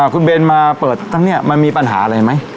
คุณเบนมาเปิดทั้งเนี่ยมันมีปัญหาอะไรไหม